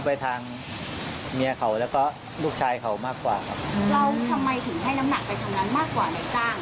ไปทางเมียเขาแล้วก็ลูกชายเขามากกว่าครับแล้วทำไมถึงให้น้ำหนักไปทางนั้นมากกว่าในจ้าง